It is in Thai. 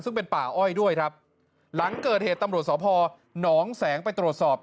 ซึ่งเป็นป่าอ้อยด้วยครับหลังเกิดเหตุตำรวจสพหนองแสงไปตรวจสอบ